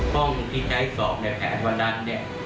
ห้องที่ใช้สอบในแผนวันนั้นเนี่ย